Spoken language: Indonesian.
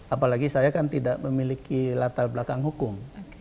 apalagi saya kan tidak memiliki latar belakang hukum